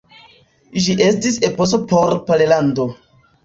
Ĝi estis eposo por Pollando.